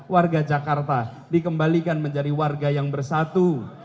warga jakarta dikembalikan menjadi warga yang bersatu